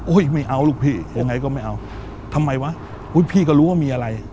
ไม่เอาลูกพี่ยังไงก็ไม่เอาทำไมวะอุ้ยพี่ก็รู้ว่ามีอะไร